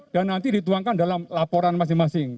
dan nanti dituangkan dalam laporan masing masing